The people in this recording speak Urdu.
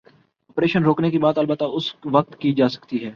آپریشن روکنے کی بات، البتہ اسی وقت کی جا سکتی ہے۔